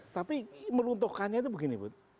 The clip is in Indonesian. tapi meruntuhkannya tuh begini bud